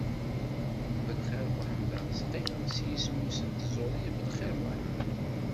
Belxir Muḥemmed Arezki, s yisem-is n tẓuri Belxir Muḥemmed.